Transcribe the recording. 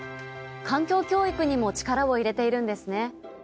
環境教育にも力を入れているんですね。